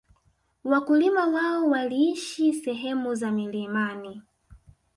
Wakulima wao waliishi sehemu za milimani